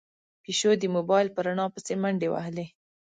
پيشو د موبايل په رڼا پسې منډې وهلې.